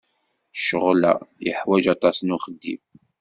Ccɣel-a yeḥwaj aṭas n uxeddim.